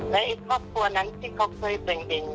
ในครอบครัวนั้นที่เขาเคยเป็น